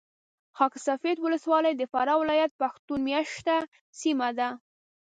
خاک سفید ولسوالي د فراه ولایت پښتون مېشته سیمه ده .